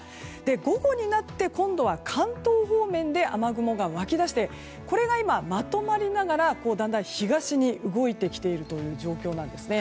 午後になって今度は関東方面で雨雲が湧き出してこれが今、まとまりながらだんだん、東に動いてきているという状況なんですね。